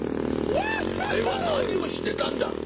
お前は何をしてたんだ！